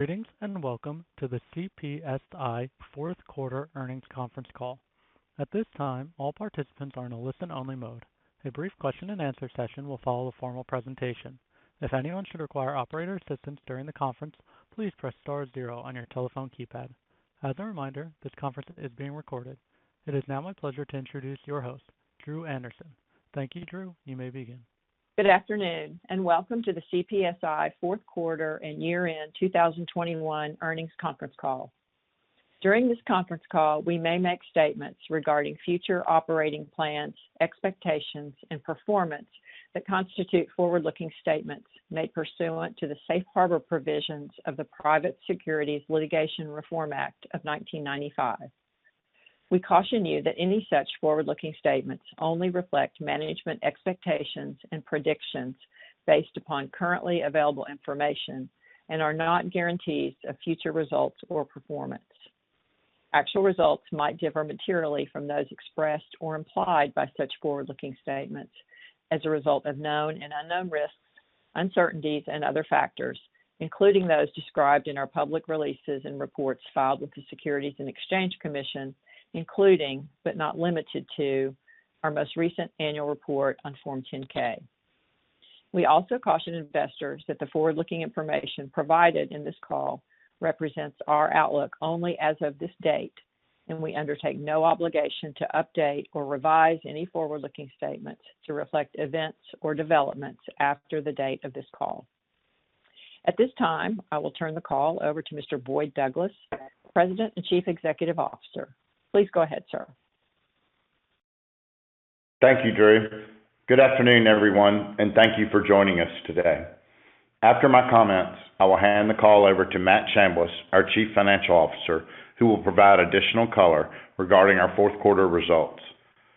Greetings, and welcome to the CPSI fourth quarter earnings conference call. At this time, all participants are in a listen-only mode. A brief question-and-answer session will follow the formal presentation. If anyone should require operator assistance during the conference, please press star zero on your telephone keypad. As a reminder, this conference is being recorded. It is now my pleasure to introduce your host, Dru Anderson. Thank you, Dru. You may begin. Good afternoon, and welcome to the CPSI fourth quarter and year-end 2021 earnings conference call. During this conference call, we may make statements regarding future operating plans, expectations, and performance that constitute forward-looking statements made pursuant to the safe harbor provisions of the Private Securities Litigation Reform Act of 1995. We caution you that any such forward-looking statements only reflect management expectations and predictions based upon currently available information and are not guarantees of future results or performance. Actual results might differ materially from those expressed or implied by such forward-looking statements as a result of known and unknown risks, uncertainties, and other factors, including those described in our public releases and reports filed with the Securities and Exchange Commission, including, but not limited to, our most recent annual report on Form 10-K. We also caution investors that the forward-looking information provided in this call represents our outlook only as of this date, and we undertake no obligation to update or revise any forward-looking statements to reflect events or developments after the date of this call. At this time, I will turn the call over to Mr. Boyd Douglas, President and Chief Executive Officer. Please go ahead, sir. Thank you, Dru. Good afternoon, everyone, and thank you for joining us today. After my comments, I will hand the call over to Matt Chambliss, our Chief Financial Officer, who will provide additional color regarding our fourth quarter results.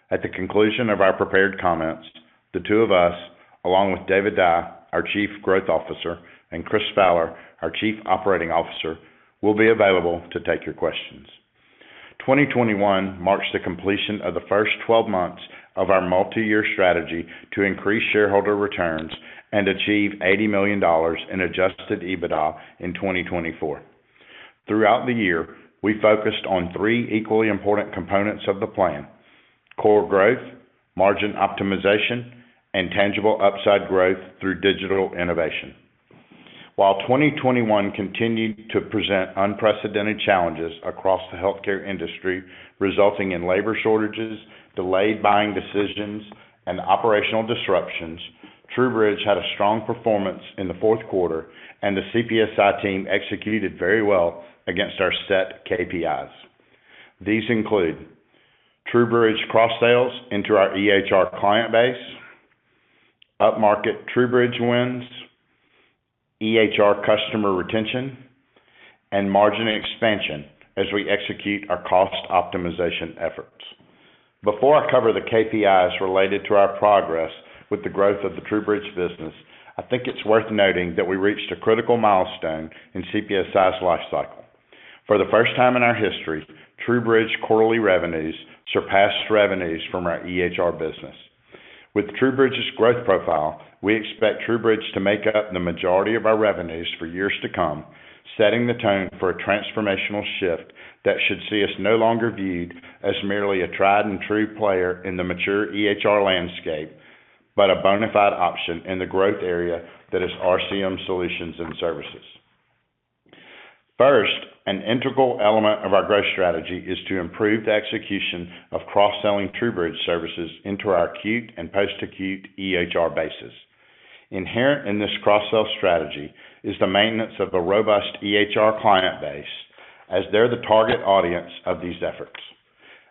At the conclusion of our prepared comments, the two of us, along with David Dye, our Chief Growth Officer, and Chris Fowler, our Chief Operating Officer, will be available to take your questions. 2021 marks the completion of the first 12 months of our multi-year strategy to increase shareholder returns and achieve $80 million in adjusted EBITDA in 2024. Throughout the year, we focused on three equally important components of the plan, core growth, margin optimization, and tangible upside growth through digital innovation. While 2021 continued to present unprecedented challenges across the healthcare industry, resulting in labor shortages, delayed buying decisions, and operational disruptions, TruBridge had a strong performance in the fourth quarter, and the CPSI team executed very well against our set KPIs. These include TruBridge cross sales into our EHR client base, upmarket TruBridge wins, EHR customer retention, and margin expansion as we execute our cost optimization efforts. Before I cover the KPIs related to our progress with the growth of the TruBridge business, I think it's worth noting that we reached a critical milestone in CPSI's lifecycle. For the first time in our history, TruBridge quarterly revenues surpassed revenues from our EHR business. With TruBridge's growth profile, we expect TruBridge to make up the majority of our revenues for years to come, setting the tone for a transformational shift that should see us no longer viewed as merely a tried and true player in the mature EHR landscape, but a bona fide option in the growth area that is RCM solutions and services. First, an integral element of our growth strategy is to improve the execution of cross-selling TruBridge services into our acute and post-acute EHR bases. Inherent in this cross-sell strategy is the maintenance of a robust EHR client base as they're the target audience of these efforts.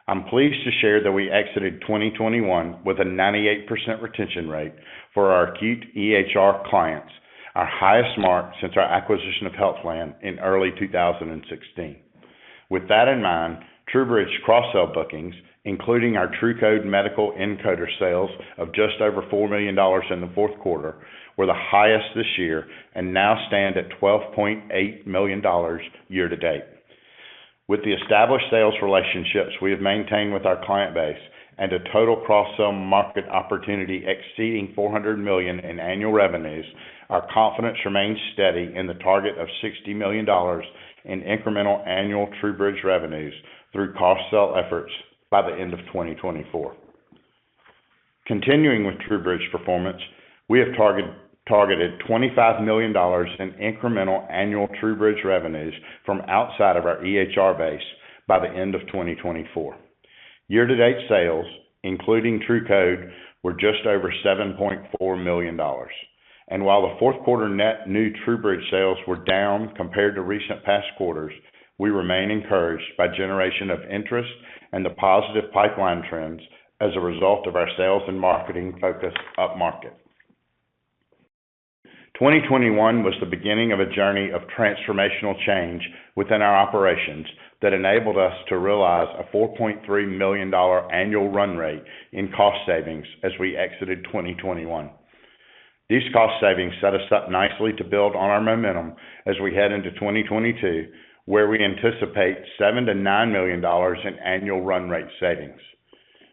I'm pleased to share that we exited 2021 with a 98% retention rate for our acute EHR clients, our highest mark since our acquisition of Healthland in early 2016. With that in mind, TruBridge cross-sell bookings, including our TruCode medical encoder sales of just over $4 million in the fourth quarter, were the highest this year and now stand at $12.8 million year to date. With the established sales relationships we have maintained with our client base and a total cross-sell market opportunity exceeding $400 million in annual revenues, our confidence remains steady in the target of $60 million in incremental annual TruBridge revenues through cross-sell efforts by the end of 2024. Continuing with TruBridge performance, we have targeted $25 million in incremental annual TruBridge revenues from outside of our EHR base by the end of 2024. Year to date sales, including TruCode, were just over $7.4 million. While the fourth quarter net new TruBridge sales were down compared to recent past quarters, we remain encouraged by generation of interest and the positive pipeline trends as a result of our sales and marketing focus upmarket. 2021 was the beginning of a journey of transformational change within our operations that enabled us to realize a $4.3 million annual run rate in cost savings as we exited 2021. These cost savings set us up nicely to build on our momentum as we head into 2022, where we anticipate $7 million-$9 million in annual run rate savings.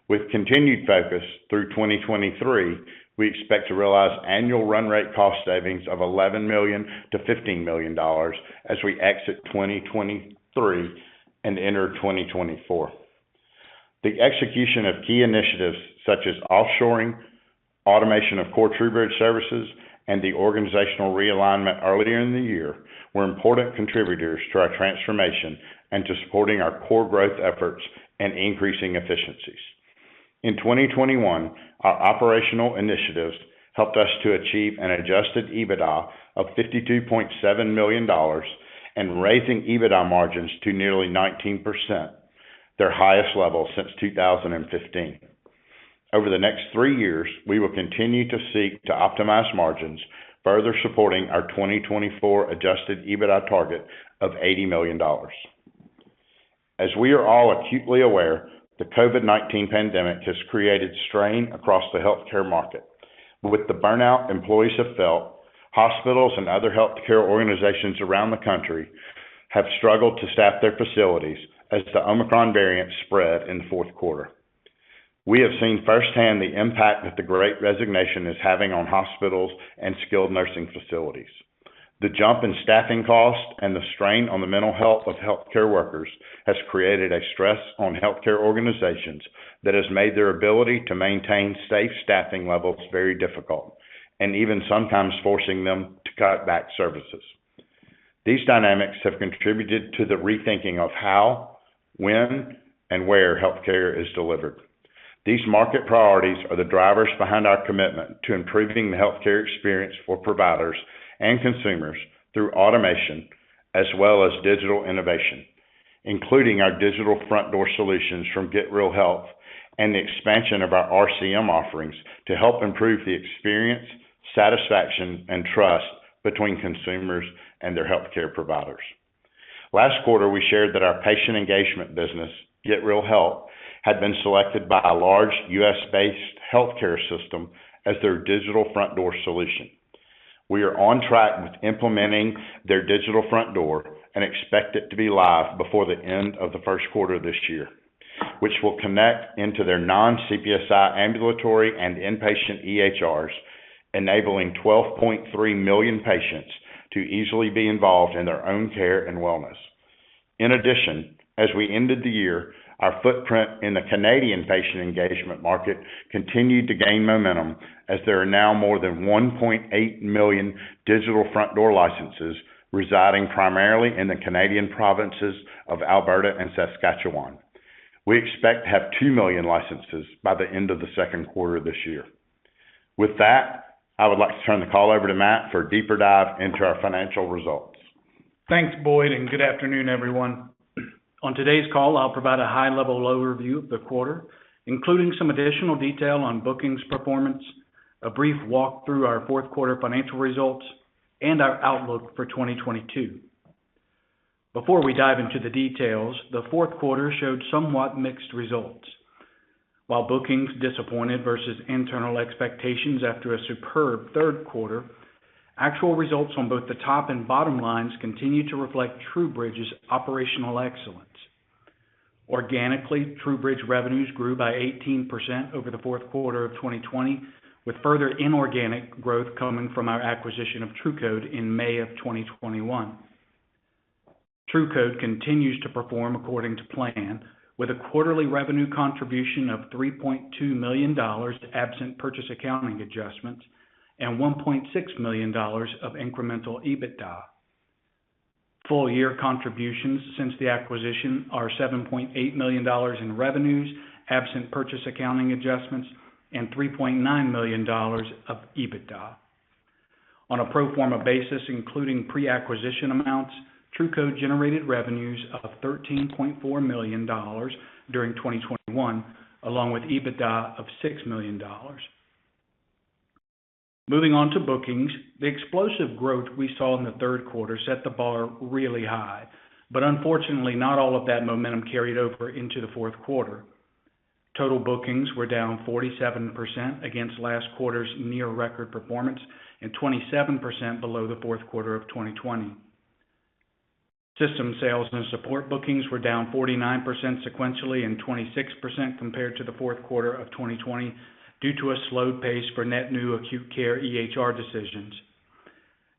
With continued focus through 2023, we expect to realize annual run rate cost savings of $11 million-$15 million as we exit 2023 and enter 2024. The execution of key initiatives such as offshoring, automation of core TruBridge services, and the organizational realignment earlier in the year were important contributors to our transformation and to supporting our core growth efforts and increasing efficiencies. In 2021, our operational initiatives helped us to achieve an adjusted EBITDA of $52.7 million and raising EBITDA margins to nearly 19%, their highest level since 2015. Over the next three years, we will continue to seek to optimize margins, further supporting our 2024 adjusted EBITDA target of $80 million. As we are all acutely aware, the COVID-19 pandemic has created strain across the healthcare market. With the burnout employees have felt, hospitals and other healthcare organizations around the country have struggled to staff their facilities as the Omicron variant spread in the fourth quarter. We have seen firsthand the impact that the great resignation is having on hospitals and skilled nursing facilities. The jump in staffing costs and the strain on the mental health of healthcare workers has created a stress on healthcare organizations that has made their ability to maintain safe staffing levels very difficult, and even sometimes forcing them to cut back services. These dynamics have contributed to the rethinking of how, when, and where healthcare is delivered. These market priorities are the drivers behind our commitment to improving the healthcare experience for providers and consumers through automation as well as digital innovation, including our digital front door solutions from Get Real Health and the expansion of our RCM offerings to help improve the experience, satisfaction, and trust between consumers and their healthcare providers. Last quarter, we shared that our patient engagement business, Get Real Health, had been selected by a large U.S.-based healthcare system as their digital front door solution. We are on track with implementing their digital front door and expect it to be live before the end of the first quarter this year, which will connect into their non-CPSI ambulatory and inpatient EHRs, enabling 12.3 million patients to easily be involved in their own care and wellness. In addition, as we ended the year, our footprint in the Canadian patient engagement market continued to gain momentum as there are now more than 1.8 million digital front door licenses residing primarily in the Canadian provinces of Alberta and Saskatchewan. We expect to have two million licenses by the end of the second quarter this year. With that, I would like to turn the call over to Matt for a deeper dive into our financial results. Thanks, Boyd, and good afternoon, everyone. On today's call, I'll provide a high-level overview of the quarter, including some additional detail on bookings performance, a brief walk through our fourth quarter financial results, and our outlook for 2022. Before we dive into the details, the fourth quarter showed somewhat mixed results. While bookings disappointed versus internal expectations after a superb third quarter, actual results on both the top and bottom lines continue to reflect TruBridge's operational excellence. Organically, TruBridge revenues grew by 18% over the fourth quarter of 2020, with further inorganic growth coming from our acquisition of TruCode in May of 2021. TruCode continues to perform according to plan with a quarterly revenue contribution of $3.2 million absent purchase accounting adjustments and $1.6 million of incremental EBITDA. full-year contributions since the acquisition are $7.8 million in revenues, absent purchase accounting adjustments, and $3.9 million of EBITDA. On a pro forma basis, including pre-acquisition amounts, TruCode generated revenues of $13.4 million during 2021, along with EBITDA of $6 million. Moving on to bookings, the explosive growth we saw in the third quarter set the bar really high. Unfortunately, not all of that momentum carried over into the fourth quarter. Total bookings were down 47% against last quarter's near record performance and 27% below the fourth quarter of 2020. System sales and support bookings were down 49% sequentially and 26% compared to the fourth quarter of 2020 due to a slowed pace for net new acute care EHR decisions.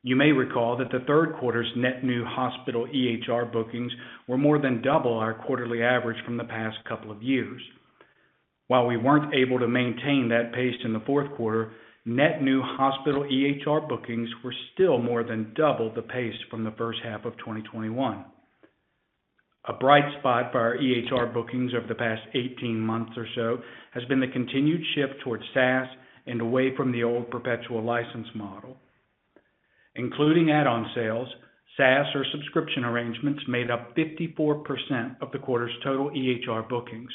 You may recall that the third quarter's net new hospital EHR bookings were more than double our quarterly average from the past couple of years. While we weren't able to maintain that pace in the fourth quarter, net new hospital EHR bookings were still more than double the pace from the first half of 2021. A bright spot for our EHR bookings over the past 18 months or so has been the continued shift towards SaaS and away from the old perpetual license model. Including add-on sales, SaaS or subscription arrangements made up 54% of the quarter's total EHR bookings.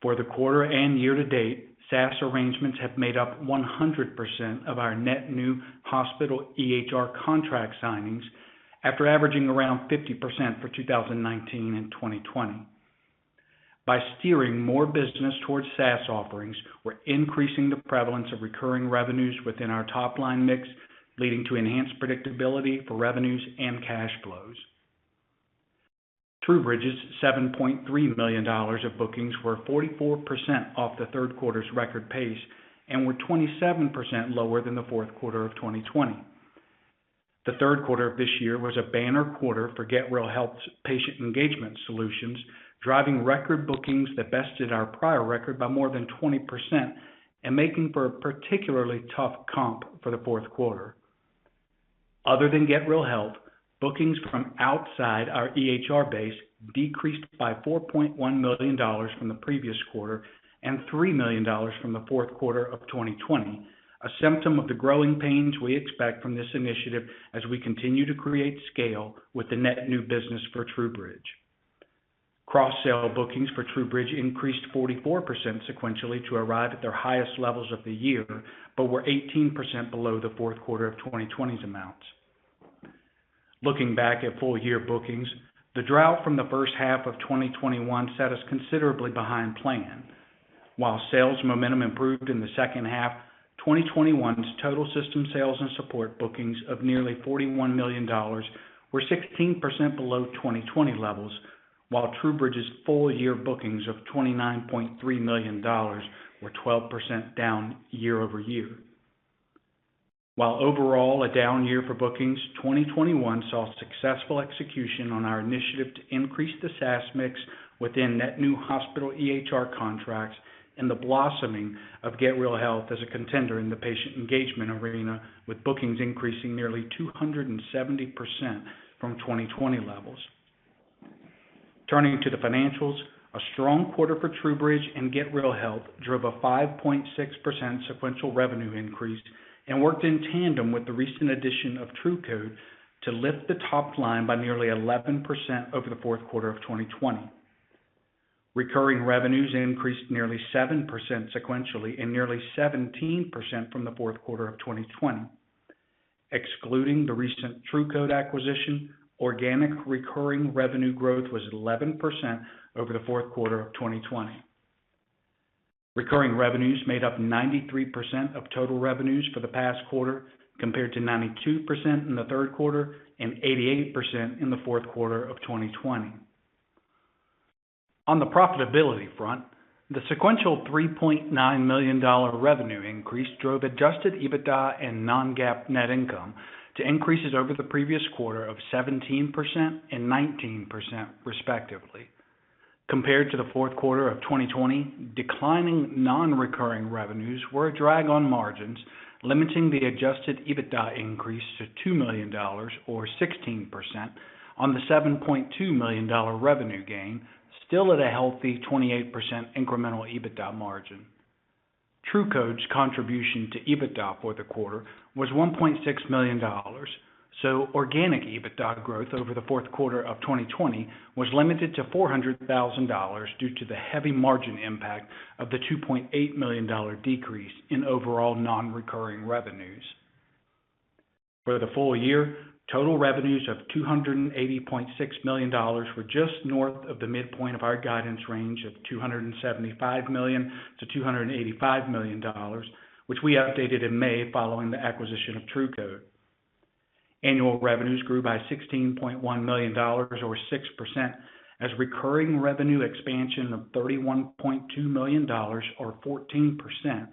For the quarter and year to date, SaaS arrangements have made up 100% of our net new hospital EHR contract signings after averaging around 50% for 2019 and 2020. By steering more business towards SaaS offerings, we're increasing the prevalence of recurring revenues within our top-line mix, leading to enhanced predictability for revenues and cash flows. TruBridge's $7.3 million of bookings were 44% off the third quarter's record pace and were 27% lower than the fourth quarter of 2020. The third quarter of this year was a banner quarter for Get Real Health's patient engagement solutions, driving record bookings that bested our prior record by more than 20% and making for a particularly tough comp for the fourth quarter. Other than Get Real Health, bookings from outside our EHR base decreased by $4.1 million from the previous quarter and $3 million from the fourth quarter of 2020, a symptom of the growing pains we expect from this initiative as we continue to create scale with the net new business for TruBridge. Cross-sale bookings for TruBridge increased 44% sequentially to arrive at their highest levels of the year, but were 18% below the fourth quarter of 2020's amounts. Looking back at full-year bookings, the drought from the first half of 2021 set us considerably behind plan. While sales momentum improved in the second half, 2021's total system sales and support bookings of nearly $41 million were 16% below 2020 levels, while TruBridge's full-year bookings of $29.3 million were 12% down year over year. While overall a down year for bookings, 2021 saw successful execution on our initiative to increase the SaaS mix within net new hospital EHR contracts and the blossoming of Get Real Health as a contender in the patient engagement arena, with bookings increasing nearly 270% from 2020 levels. Turning to the financials, a strong quarter for TruBridge and Get Real Health drove a 5.6% sequential revenue increase and worked in tandem with the recent addition of TruCode to lift the top line by nearly 11% over the fourth quarter of 2020. Recurring revenues increased nearly 7% sequentially and nearly 17% from the fourth quarter of 2020. Excluding the recent TruCode acquisition, organic recurring revenue growth was 11% over the fourth quarter of 2020. Recurring revenues made up 93% of total revenues for the past quarter, compared to 92% in the third quarter and 88% in the fourth quarter of 2020. On the profitability front, the sequential $3.9 million revenue increase drove adjusted EBITDA and non-GAAP net income to increases over the previous quarter of 17% and 19% respectively. Compared to the fourth quarter of 2020, declining non-recurring revenues were a drag on margins, limiting the adjusted EBITDA increase to $2 million, or 16%, on the $7.2 million revenue gain, still at a healthy 28% incremental EBITDA margin. TruCode's contribution to EBITDA for the quarter was $1.6 million, so organic EBITDA growth over the fourth quarter of 2020 was limited to $400,000 due to the heavy margin impact of the $2.8 million decrease in overall non-recurring revenues. For the full-year, total revenues of $280.6 million were just north of the midpoint of our guidance range of $275 million-$285 million, which we updated in May following the acquisition of TruCode. Annual revenues grew by $16.1 million, or 6%, as recurring revenue expansion of $31.2 million, or 14%,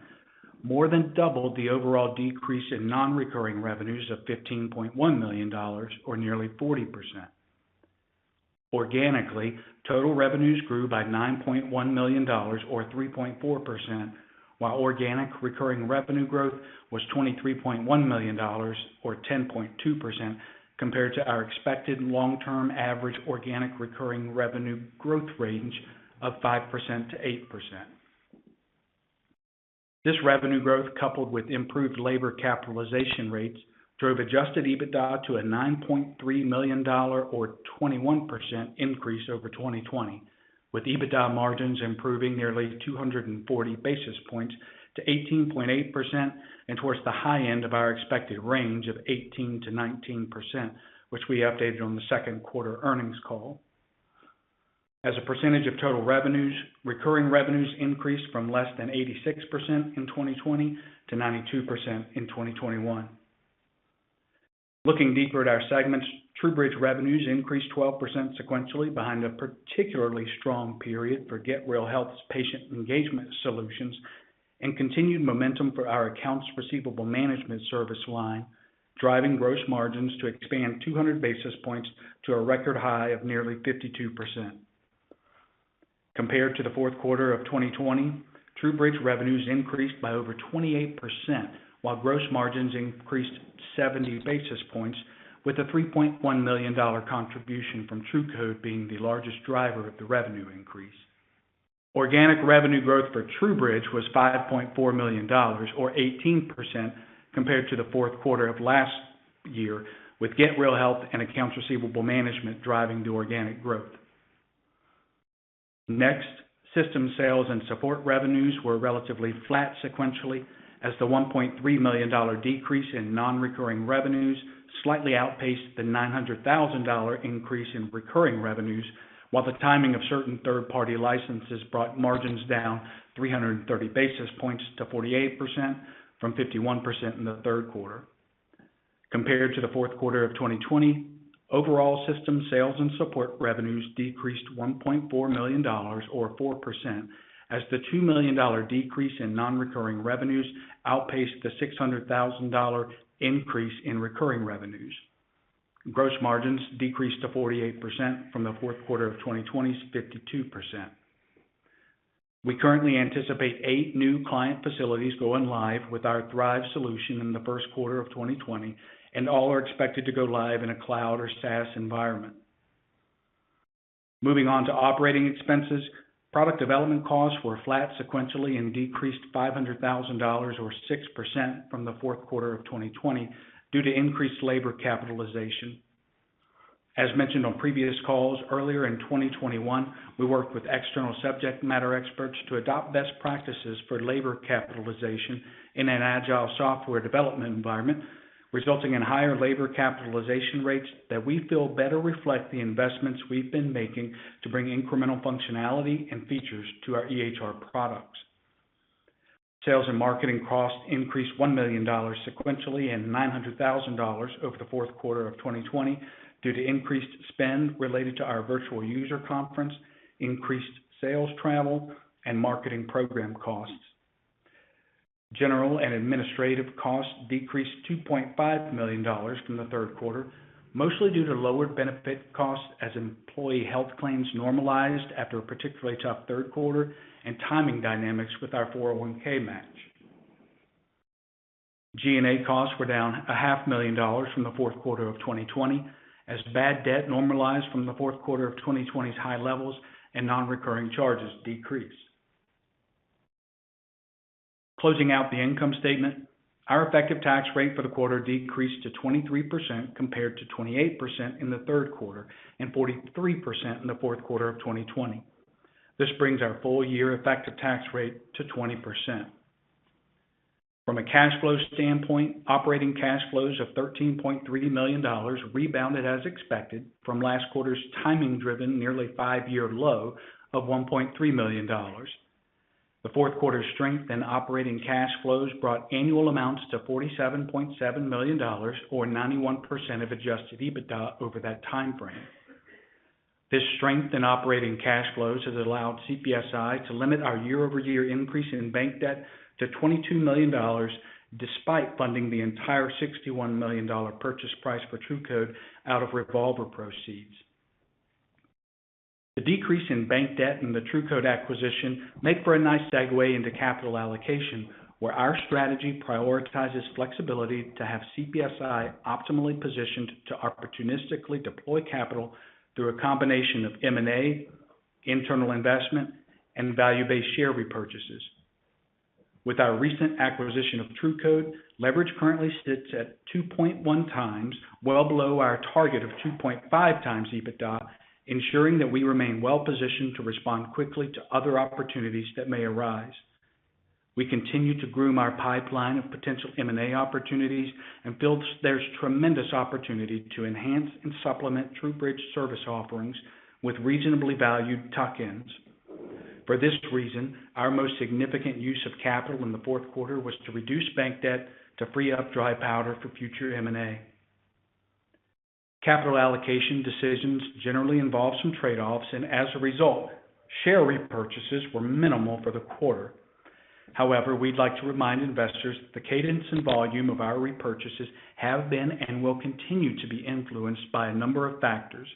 more than doubled the overall decrease in non-recurring revenues of $15.1 million, or nearly 40%. Organically, total revenues grew by $9.1 million, or 3.4%, while organic recurring revenue growth was $23.1 million, or 10.2%, compared to our expected long-term average organic recurring revenue growth range of 5%-8%. This revenue growth, coupled with improved labor capitalization rates, drove adjusted EBITDA to a $9.3 million, or 21%, increase over 2020, with EBITDA margins improving nearly 240 basis points to 18.8% and towards the high end of our expected range of 18%-19%, which we updated on the second quarter earnings call. As a percentage of total revenues, recurring revenues increased from less than 86% in 2020 to 92% in 2021. Looking deeper at our segments, TruBridge revenues increased 12% sequentially behind a particularly strong period for Get Real Health's patient engagement solutions and continued momentum for our accounts receivable management service line, driving gross margins to expand 200 basis points to a record high of nearly 52%. Compared to the fourth quarter of 2020, TruBridge revenues increased by over 28%, while gross margins increased 70 basis points, with a $3.1 million contribution from TruCode being the largest driver of the revenue increase. Organic revenue growth for TruBridge was $5.4 million, or 18%, compared to the fourth quarter of last year, with Get Real Health and accounts receivable management driving the organic growth. Next, system sales and support revenues were relatively flat sequentially as the $1.3 million decrease in non-recurring revenues slightly outpaced the $900,000 increase in recurring revenues, while the timing of certain third-party licenses brought margins down 330 basis points to 48% from 51% in the third quarter. Compared to the fourth quarter of 2020, overall system sales and support revenues decreased $1.4 million or 4% as the $2 million decrease in non-recurring revenues outpaced the $600,000 increase in recurring revenues. Gross margins decreased to 48% from the fourth quarter of 2020's 52%. We currently anticipate eight new client facilities going live with our Thrive solution in the first quarter of 2020, and all are expected to go live in a cloud or SaaS environment. Moving on to operating expenses. Product development costs were flat sequentially and decreased $500,000 or 6% from the fourth quarter of 2020 due to increased labor capitalization. As mentioned on previous calls, earlier in 2021, we worked with external subject matter experts to adopt best practices for labor capitalization in an agile software development environment, resulting in higher labor capitalization rates that we feel better reflect the investments we've been making to bring incremental functionality and features to our EHR products. Sales and marketing costs increased $1 million sequentially and $900,000 over the fourth quarter of 2020 due to increased spend related to our virtual user conference, increased sales travel, and marketing program costs. General and administrative costs decreased $2.5 million from the third quarter, mostly due to lowered benefit costs as employee health claims normalized after a particularly tough third quarter and timing dynamics with our 401(k) match. G&A costs were down $0.5 million from the fourth quarter of 2020 as bad debt normalized from the fourth quarter of 2020's high levels and non-recurring charges decreased. Closing out the income statement, our effective tax rate for the quarter decreased to 23% compared to 28% in the third quarter and 43% in the fourth quarter of 2020. This brings our full-year effective tax rate to 20%. From a cash flow standpoint, operating cash flows of $13.3 million rebounded as expected from last quarter's timing-driven nearly five-year low of $1.3 million. The fourth quarter strength in operating cash flows brought annual amounts to $47.7 million or 91% of adjusted EBITDA over that timeframe. This strength in operating cash flows has allowed CPSI to limit our year-over-year increase in bank debt to $22 million despite funding the entire $61 million purchase price for TruCode out of revolver proceeds. The decrease in bank debt and the TruCode acquisition make for a nice segue into capital allocation, where our strategy prioritizes flexibility to have CPSI optimally positioned to opportunistically deploy capital through a combination of M&A, internal investment, and value-based share repurchases. With our recent acquisition of TruCode, leverage currently sits at 2.1x, well below our target of 2.5x EBITDA, ensuring that we remain well positioned to respond quickly to other opportunities that may arise. We continue to groom our pipeline of potential M&A opportunities and feel there's tremendous opportunity to enhance and supplement TruBridge service offerings with reasonably valued tuck-ins. For this reason, our most significant use of capital in the fourth quarter was to reduce bank debt to free up dry powder for future M&A. Capital allocation decisions generally involve some trade-offs, and as a result, share repurchases were minimal for the quarter. However, we'd like to remind investors the cadence and volume of our repurchases have been and will continue to be influenced by a number of factors,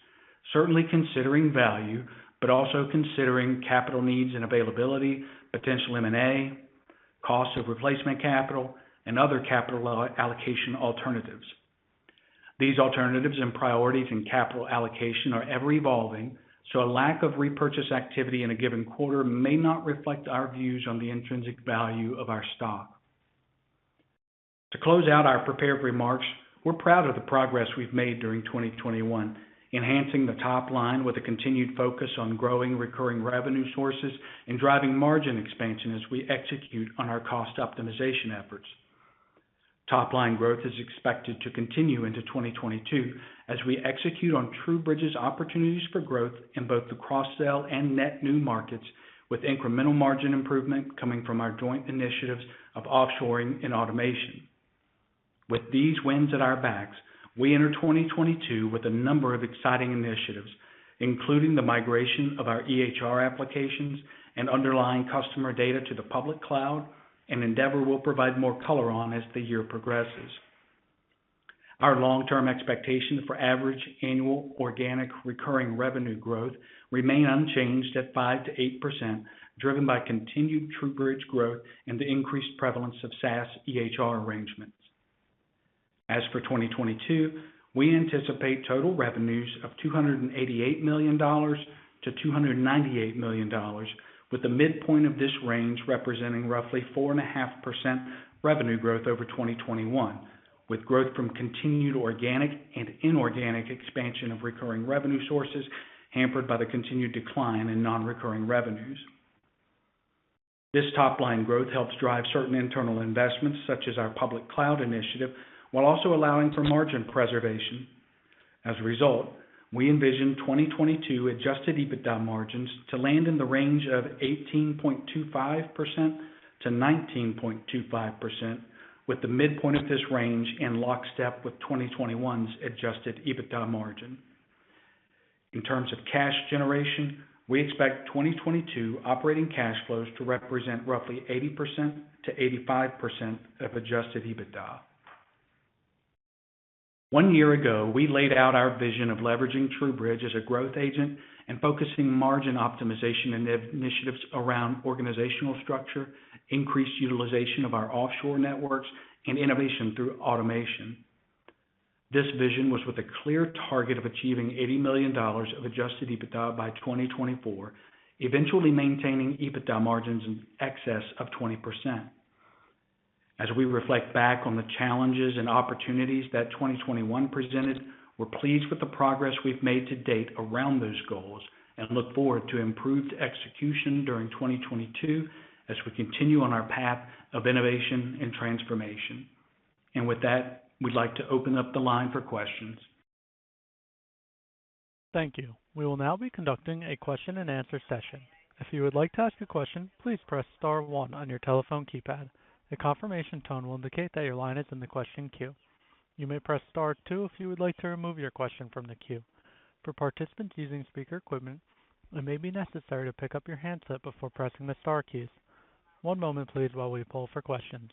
certainly considering value, but also considering capital needs and availability, potential M&A, cost of replacement capital, and other capital allocation alternatives. These alternatives and priorities in capital allocation are ever-evolving, so a lack of repurchase activity in a given quarter may not reflect our views on the intrinsic value of our stock. To close out our prepared remarks, we're proud of the progress we've made during 2021, enhancing the top line with a continued focus on growing recurring revenue sources and driving margin expansion as we execute on our cost optimization efforts. Top line growth is expected to continue into 2022 as we execute on TruBridge's opportunities for growth in both the cross-sell and net new markets, with incremental margin improvement coming from our joint initiatives of offshoring and automation. With these wins at our backs, we enter 2022 with a number of exciting initiatives, including the migration of our EHR applications and underlying customer data to the public cloud, an endeavor we'll provide more color on as the year progresses. Our long-term expectations for average annual organic recurring revenue growth remain unchanged at 5%-8%, driven by continued TruBridge growth and the increased prevalence of SaaS EHR arrangements. As for 2022, we anticipate total revenues of $288 million-$298 million, with the midpoint of this range representing roughly 4.5% revenue growth over 2021, with growth from continued organic and inorganic expansion of recurring revenue sources hampered by the continued decline in non-recurring revenues. This top-line growth helps drive certain internal investments such as our public cloud initiative while also allowing for margin preservation. As a result, we envision 2022 adjusted EBITDA margins to land in the range of 18.25%-19.25%, with the midpoint of this range in lockstep with 2021's adjusted EBITDA margin. In terms of cash generation, we expect 2022 operating cash flows to represent roughly 80%-85% of adjusted EBITDA. One year ago, we laid out our vision of leveraging TruBridge as a growth agent and focusing margin optimization and initiatives around organizational structure, increased utilization of our offshore networks, and innovation through automation. This vision was with a clear target of achieving $80 million of adjusted EBITDA by 2024, eventually maintaining EBITDA margins in excess of 20%. As we reflect back on the challenges and opportunities that 2021 presented, we're pleased with the progress we've made to date around those goals and look forward to improved execution during 2022 as we continue on our path of innovation and transformation. With that, we'd like to open up the line for questions. Thank you. We will now be conducting a question-and-answer session. If you would like to ask a question, please press star one on your telephone keypad. A confirmation tone will indicate that your line is in the question queue. You may press star two if you would like to remove your question from the queue. For participants using speaker equipment, it may be necessary to pick up your handset before pressing the star keys. One moment please while we poll for questions.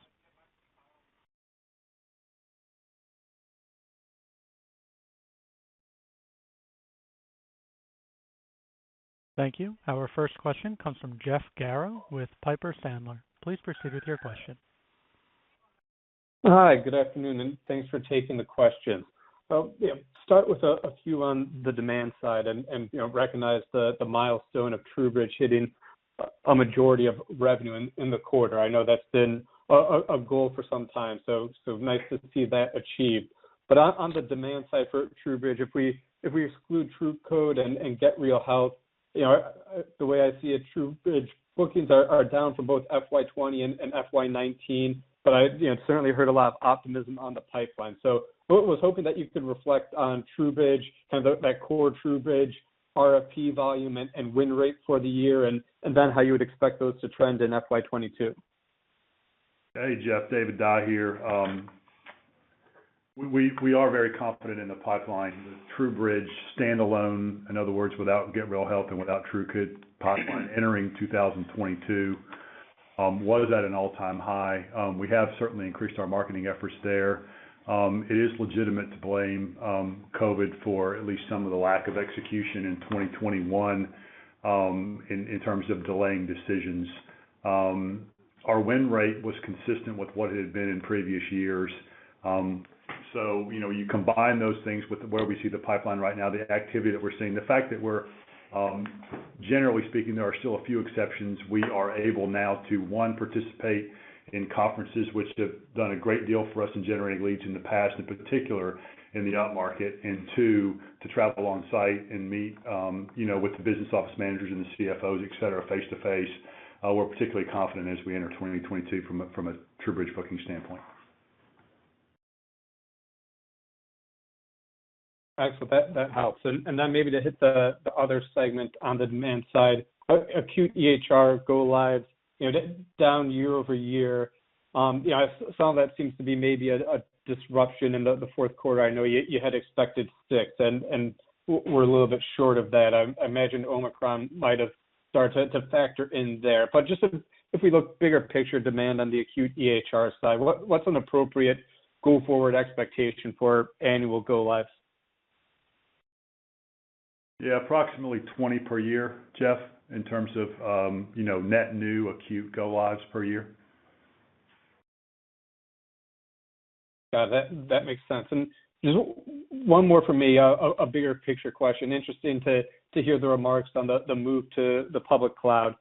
Thank you. Our first question comes from Jeff Garro with Piper Sandler. Please proceed with your question. Hi, good afternoon, and thanks for taking the question. Yeah, start with a few on the demand side and, you know, recognize the milestone of TruBridge hitting a majority of revenue in the quarter. I know that's been a goal for some time, so nice to see that achieved. On the demand side for TruBridge, if we exclude TruCode and Get Real Health, you know, the way I see it, TruBridge bookings are down for both FY 2020 and FY 2019, but I, you know, certainly heard a lot of optimism on the pipeline. What I was hoping that you could reflect on TruBridge, kind of that core TruBridge RFP volume and win rate for the year, and then how you would expect those to trend in FY 2022. Hey, Jeff, David Dye here. We are very confident in the pipeline. The TruBridge standalone, in other words, without Get Real Health and without TruCode pipeline entering 2022, was at an all-time high. We have certainly increased our marketing efforts there. It is legitimate to blame COVID for at least some of the lack of execution in 2021, in terms of delaying decisions. Our win rate was consistent with what it had been in previous years. You know, you combine those things with where we see the pipeline right now, the activity that we're seeing, the fact that we're generally speaking, there are still a few exceptions. We are able now to, one, participate in conferences which have done a great deal for us in generating leads in the past, in particular in the out market, and two, to travel on-site and meet, you know, with the business office managers and the CFOs, et cetera, face to face. We're particularly confident as we enter 2022 from a TruBridge booking standpoint. Excellent. That helps. Then maybe to hit the other segment on the demand side. Acute EHR go lives down year-over-year. Some of that seems to be maybe a disruption in the fourth quarter. I know you had expected six, and we're a little bit short of that. I imagine Omicron might have started to factor in there. Just if we look bigger picture demand on the acute EHR side, what's an appropriate go forward expectation for annual go lives? Yeah. Approximately 20 per year, Jeff, in terms of, you know, net new acute go lives per year. Got it. That makes sense. Just one more from me, a bigger picture question. Interesting to hear the remarks on the move to the public cloud.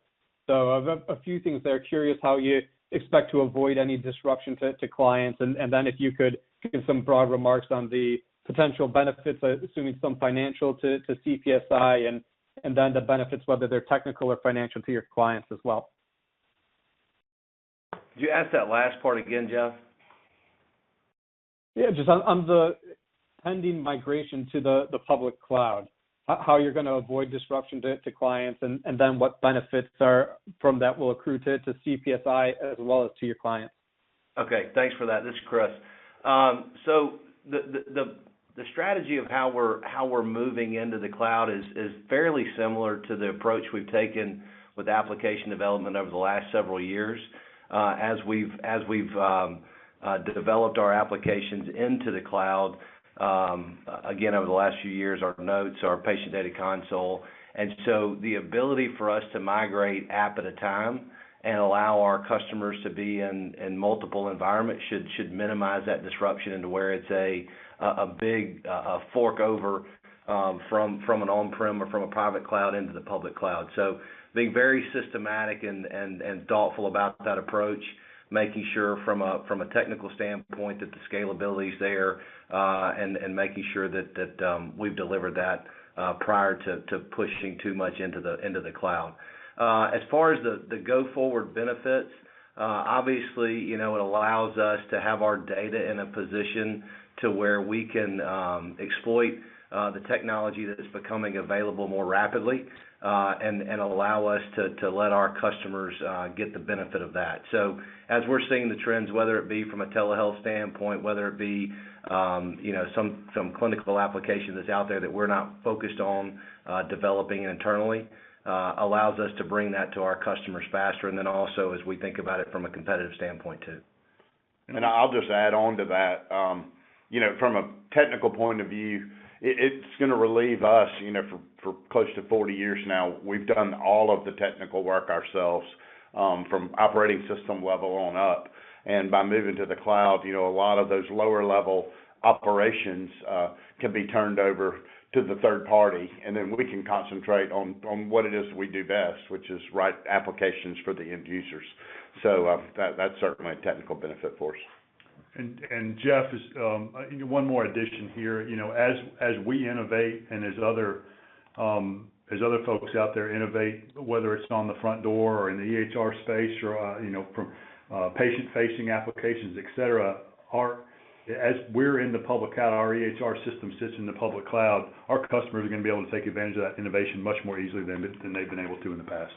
A few things there. Curious how you expect to avoid any disruption to clients, and then if you could give some broad remarks on the potential benefits, assuming some financial to CPSI and then the benefits, whether they're technical or financial to your clients as well. Could you ask that last part again, Jeff? Yeah. Just on the pending migration to the public cloud, how you're gonna avoid disruption to clients, and then what benefits from that will accrue to CPSI as well as to your clients? Okay, thanks for that. This is Chris. So the strategy of how we're moving into the cloud is fairly similar to the approach we've taken with application development over the last several years, as we've developed our applications into the cloud, again, over the last few years, our nodes, our patient data console. The ability for us to migrate app at a time and allow our customers to be in multiple environments should minimize that disruption into where it's a big fork over from an on-prem or from a private cloud into the public cloud. Being very systematic and thoughtful about that approach, making sure from a technical standpoint that the scalability is there, and making sure that we've delivered that prior to pushing too much into the cloud. As far as the go forward benefits, obviously, you know, it allows us to have our data in a position to where we can exploit the technology that is becoming available more rapidly, and allow us to let our customers get the benefit of that. As we're seeing the trends, whether it be from a telehealth standpoint, whether it be, you know, some clinical application that's out there that we're not focused on developing internally, allows us to bring that to our customers faster, and then also as we think about it from a competitive standpoint too. I'll just add on to that. You know, from a technical point of view, it's gonna relieve us, you know, for close to 40 years now, we've done all of the technical work ourselves, from operating system level on up. By moving to the cloud, you know, a lot of those lower level operations can be turned over to the third party, and then we can concentrate on what it is we do best, which is write applications for the end users. That's certainly a technical benefit for us. One more addition here. You know, as we innovate and as other folks out there innovate, whether it's on the front door or in the EHR space or, you know, from patient-facing applications, et cetera. As we're in the public cloud, our EHR system sits in the public cloud, our customers are gonna be able to take advantage of that innovation much more easily than they've been able to in the past.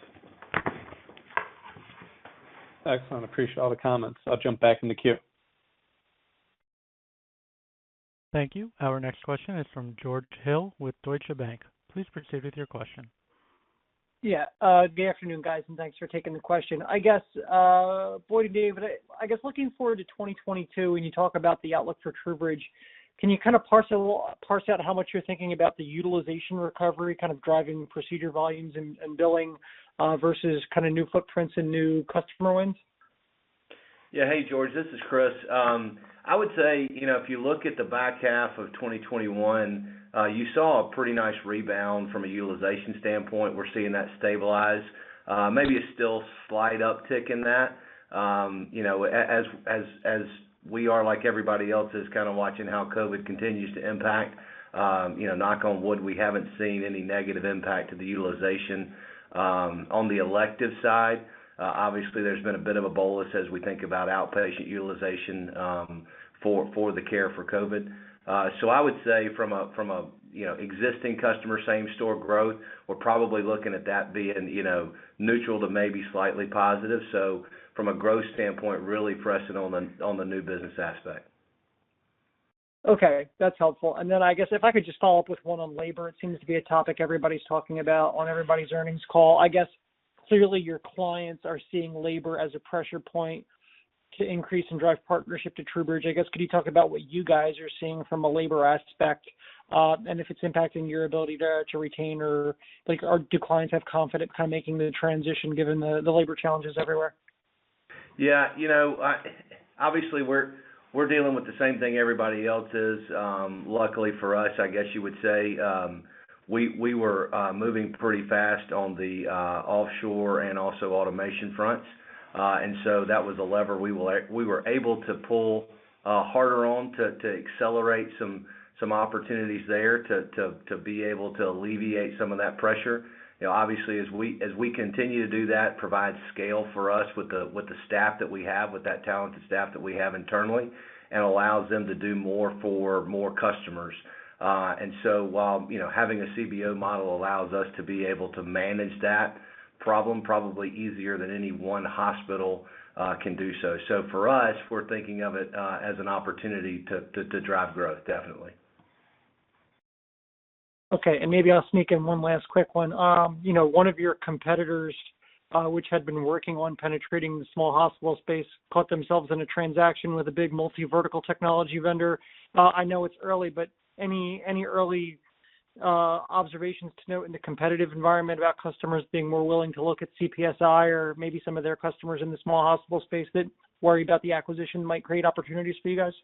Excellent. Appreciate all the comments. I'll jump back in the queue. Thank you. Our next question is from George Hill with Deutsche Bank. Please proceed with your question. Yeah. Good afternoon, guys, and thanks for taking the question. I guess, boy, David Dye, I guess looking forward to 2022, when you talk about the outlook for TruBridge, can you kind of parse out how much you're thinking about the utilization recovery kind of driving procedure volumes and billing versus kind of new footprints and new customer wins? Yeah. Hey, George, this is Chris. I would say, you know, if you look at the back half of 2021, you saw a pretty nice rebound from a utilization standpoint. We're seeing that stabilize. Maybe a still slight uptick in that. You know, as we are, like everybody else, is kind of watching how COVID continues to impact. You know, knock on wood, we haven't seen any negative impact to the utilization. On the elective side, obviously, there's been a bit of a bolus as we think about outpatient utilization, for the care for COVID. I would say from a, you know, existing customer, same store growth, we're probably looking at that being, you know, neutral to maybe slightly positive. From a growth standpoint, really pressing on the new business aspect. Okay, that's helpful. I guess if I could just follow-up with one on labor, it seems to be a topic everybody's talking about on everybody's earnings call. I guess clearly your clients are seeing labor as a pressure point to increase and drive partnership to TruBridge. I guess, could you talk about what you guys are seeing from a labor aspect, and if it's impacting your ability to retain or, like, do clients have confidence kind of making the transition given the labor challenges everywhere? Yeah, you know, obviously, we're dealing with the same thing everybody else is. Luckily for us, I guess you would say, we were moving pretty fast on the offshore and also automation fronts. That was a lever we were able to pull harder on to be able to alleviate some of that pressure. You know, obviously, as we continue to do that, provide scale for us with the staff that we have, with that talented staff that we have internally, and allows them to do more for more customers. While, you know, having a CBO model allows us to be able to manage that problem probably easier than any one hospital can do so. For us, we're thinking of it as an opportunity to drive growth, definitely. Okay. Maybe I'll sneak in one last quick one. You know, one of your competitors, which had been working on penetrating the small hospital space, caught themselves in a transaction with a big multi-vertical technology vendor. I know it's early, but any early observations to note in the competitive environment about customers being more willing to look at CPSI or maybe some of their customers in the small hospital space that worry about the acquisition might create opportunities for you guys?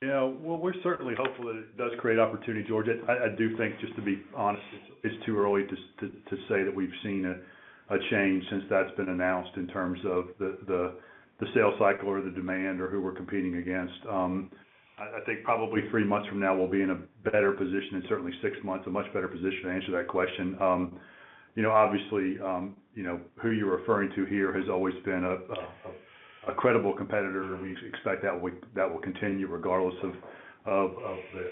Yeah. Well, we're certainly hopeful that it does create opportunity, George. I do think, just to be honest, it's too early to say that we've seen a change since that's been announced in terms of the sales cycle or the demand or who we're competing against. I think probably three months from now we'll be in a better position, and certainly six months a much better position to answer that question. You know, obviously, you know, who you're referring to here has always been a credible competitor. We expect that will continue regardless of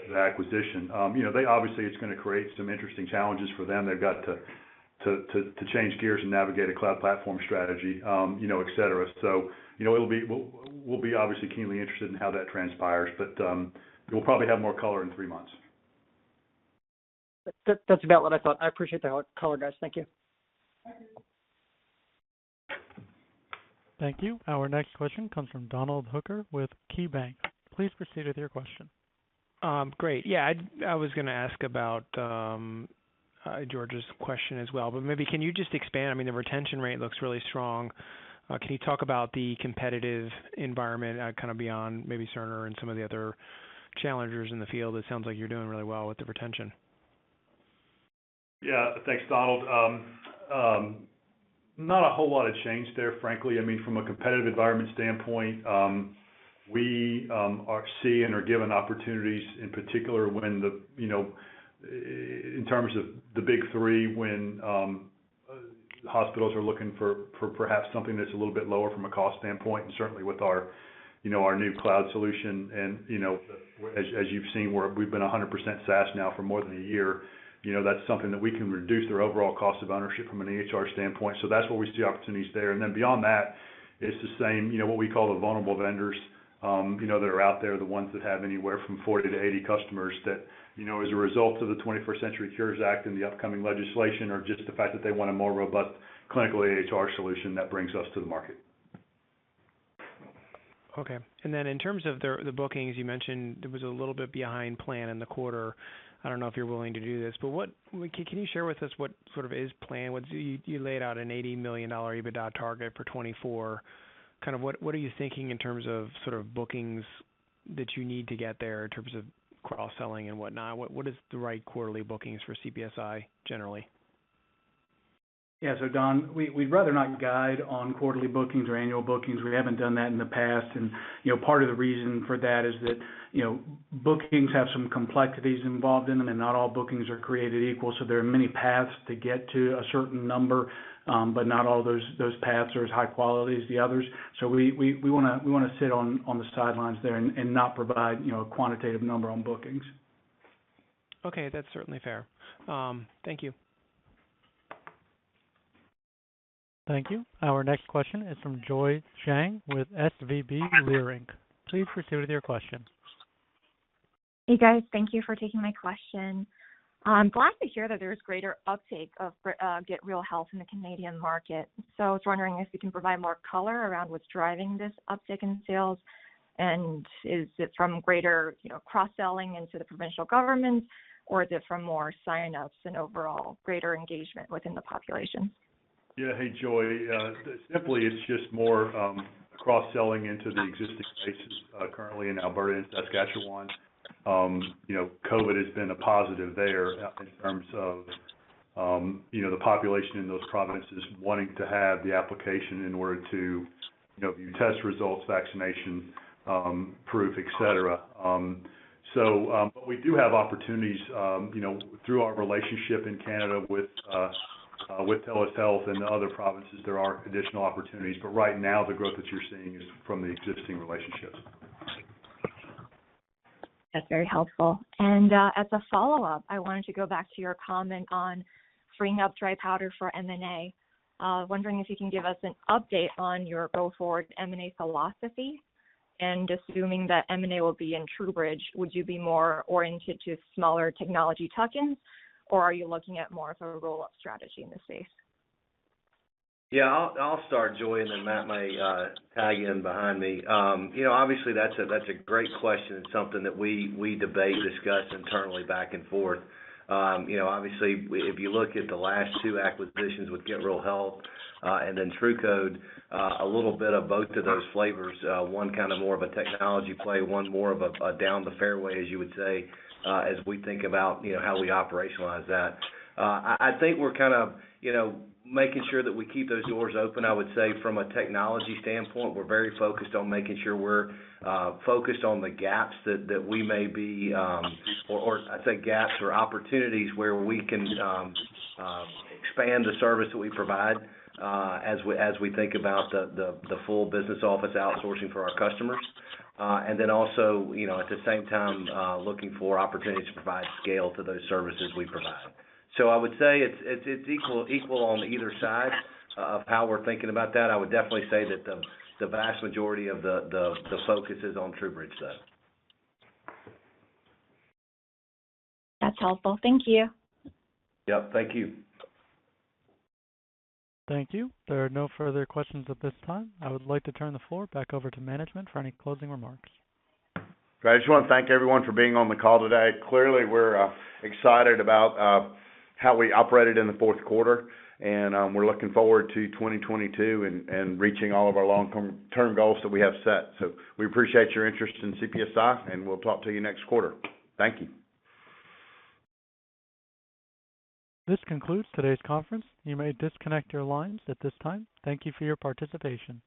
the acquisition. You know, they obviously, it's gonna create some interesting challenges for them. They've got to change gears and navigate a cloud platform strategy, you know, et cetera. You know, we'll be obviously keenly interested in how that transpires, but we'll probably have more color in three months. That, that's about what I thought. I appreciate the color, guys. Thank you. Thank you. Thank you. Our next question comes from Donald Hooker with KeyBanc. Please proceed with your question. Great. Yeah, I was gonna ask about George's question as well, but maybe can you just expand? I mean, the retention rate looks really strong. Can you talk about the competitive environment, kind of beyond maybe Cerner and some of the other challengers in the field? It sounds like you're doing really well with the retention. Yeah. Thanks, Donald. Not a whole lot has changed there, frankly. I mean, from a competitive environment standpoint, we are seeing ongoing opportunities in particular when, you know, in terms of the big three, when hospitals are looking for perhaps something that's a little bit lower from a cost standpoint, and certainly with our, you know, our new cloud solution. You know, as you've seen, we've been 100% SaaS now for more than a year. You know, that's something that we can reduce their overall cost of ownership from an EHR standpoint. That's where we see opportunities there. Beyond that, it's the same, you know, what we call the vulnerable vendors, you know, that are out there, the ones that have anywhere from 40-80 customers that, you know, as a result of the 21st Century Cures Act and the upcoming legislation or just the fact that they want a more robust clinical EHR solution that brings us to the market. Okay. Then in terms of the bookings, you mentioned it was a little bit behind plan in the quarter. I don't know if you're willing to do this, but what can you share with us what sort of is planned? You laid out an $80 million EBITDA target for 2024. Kind of what are you thinking in terms of sort of bookings that you need to get there in terms of cross-selling and whatnot? What is the right quarterly bookings for CPSI generally? Yeah. Don, we'd rather not guide on quarterly bookings or annual bookings. We haven't done that in the past. You know, part of the reason for that is that, you know, bookings have some complexities involved in them, and not all bookings are created equal, so there are many paths to get to a certain number, but not all of those paths are as high quality as the others. We wanna sit on the sidelines there and not provide, you know, a quantitative number on bookings. Okay. That's certainly fair. Thank you. Thank you. Our next question is from Joy Zhang with SVB Leerink. Please proceed with your question. Hey, guys. Thank you for taking my question. I'm glad to hear that there's greater uptake of Get Real Health in the Canadian market. I was wondering if you can provide more color around what's driving this uptick in sales, and is it from greater, you know, cross-selling into the provincial governments or is it from more signups and overall greater engagement within the population? Yeah. Hey, Joy. Simply, it's just more cross-selling into the existing spaces currently in Alberta and Saskatchewan. You know, COVID has been a positive there in terms of you know, the population in those provinces wanting to have the application in order to you know, view test results, vaccination proof, et cetera. We do have opportunities you know, through our relationship in Canada with TELUS Health in the other provinces. There are additional opportunities. Right now, the growth that you're seeing is from the existing relationships. That's very helpful. As a follow-up, I wanted to go back to your comment on freeing up dry powder for M&A, wondering if you can give us an update on your go-forward M&A philosophy. Assuming that M&A will be in TruBridge, would you be more oriented to smaller technology tuck-ins, or are you looking at more of a roll-up strategy in this space? Yeah. I'll start, Joy, and then Matt may tag in behind me. You know, obviously, that's a great question. It's something that we debate, discuss internally back and forth. You know, obviously, if you look at the last two acquisitions with Get Real Health and then TruCode, a little bit of both of those flavors, one kind of more of a technology play, one more of a down the fairway, as you would say, as we think about, you know, how we operationalize that. I think we're kind of, you know, making sure that we keep those doors open. I would say from a technology standpoint, we're very focused on making sure we're focused on the gaps that we may be or I say gaps or opportunities where we can expand the service that we provide as we think about the full business office outsourcing for our customers. Also, you know, at the same time, looking for opportunities to provide scale to those services we provide. I would say it's equal on either side of how we're thinking about that. I would definitely say that the vast majority of the focus is on TruBridge, though. That's helpful. Thank you. Yep. Thank you. Thank you. There are no further questions at this time. I would like to turn the floor back over to management for any closing remarks. I just wanna thank everyone for being on the call today. Clearly, we're excited about how we operated in the fourth quarter, and we're looking forward to 2022 and reaching all of our long-term goals that we have set. We appreciate your interest in CPSI, and we'll talk to you next quarter. Thank you. This concludes today's conference. You may disconnect your lines at this time. Thank you for your participation.